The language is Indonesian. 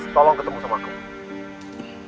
tolong ketemu sama aku